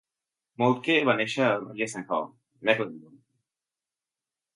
Moltke va néixer a Riesenhof, Mecklenburg.